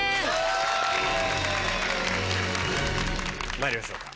まいりましょうか。